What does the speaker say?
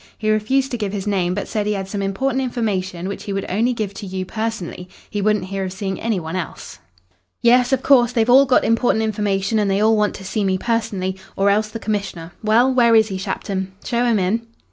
"He refused to give his name, but said he had some important information which he would only give to you personally. He wouldn't hear of seeing any one else." "Yes, of course. They've all got important information, and they all want to see me personally or else the Commissioner. Well, where is he, Shapton? Show him in."